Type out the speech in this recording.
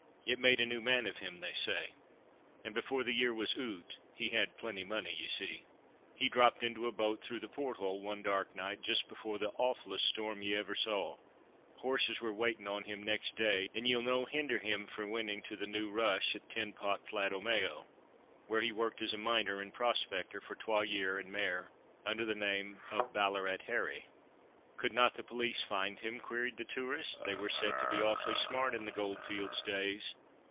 It made a new man of him, they say. And before the year was oot (he had plenty money, ye see), he dropped into a boat through the port hole, one dark night, just before the awfullest storm ye ever saw. Horses were waitin' on him next day, and ye'll no hinder him frae winning to the New Rush at Tin Pot Flat Omeo, where he worked as a miner and prospector, for twa year and mair, under the name of 'Ballarat Harry.'" "Could not the police find him?" queried the tourist. "They were said to be awfully smart in the goldfields days."